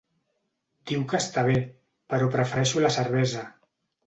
Diu que està bé, però prefereixo la cervesa.